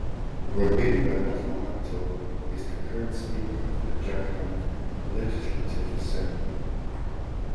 Rabindra Nath Mahato is the current Speaker of the Jharkhand Legislative Assembly.